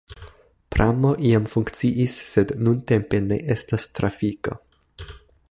Pramo iam funkciis, sed nuntempe ne estas trafiko.